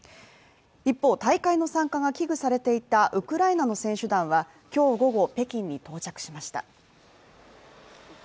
一方、大会の参加が危惧されていたウクライナの選手団は今日午後、北京に到着しました。